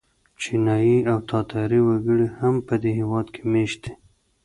چینایي او تاتاري وګړي هم په دې هېواد کې مېشت دي.